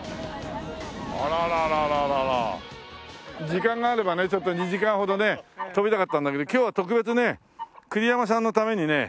時間があればねちょっと２時間ほど飛びたかったんだけど今日は特別ね栗山さんのためにね